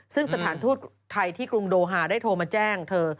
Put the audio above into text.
ซึ่งสถานทูตไทยที่กรุงโดฮาได้โทรมาแจ้งเธอ